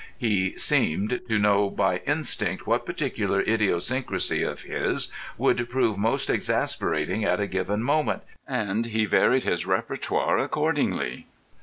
He seemed to know by instinct what particular idiosyncrasy of his would prove most exasperating at a given moment, and he varied his répertoire accordingly.